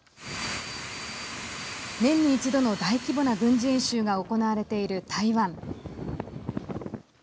年に一度の大規模な軍事演習が行われている台湾。